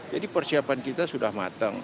jadi persiapan kita sudah matang